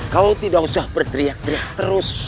kau tidak usah berteriak teriak terus